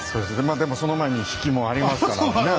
まあでもその前に比企もありますからね。